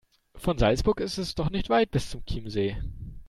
Von Salzburg ist es doch nicht weit bis zum Chiemsee.